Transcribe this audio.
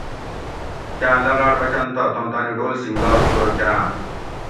کاٞں لغاٞڑ بچنت تہ توم تانی ڈول سنگار پورہ کراٞں